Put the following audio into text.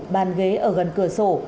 bàn ghế ở gần cửa sổ